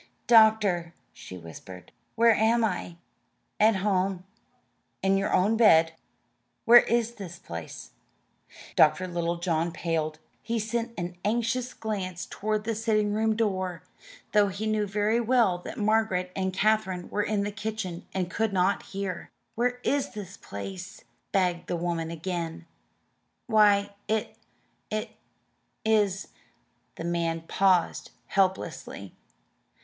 "Doctor," she whispered, "where am I?" "At home, in your own bed." "Where is this place?" Dr. Littlejohn paled. He sent an anxious glance toward the sitting room door, though he knew very well that Margaret and Katherine were in the kitchen and could not hear. "Where is this place?" begged the woman again. "Why, it it is " The man paused helplessly.